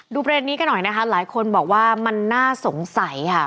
ประเด็นนี้กันหน่อยนะคะหลายคนบอกว่ามันน่าสงสัยค่ะ